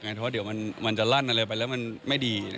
เพราะเดี๋ยวมันจะลั่นอะไรไปแล้วมันไม่ดี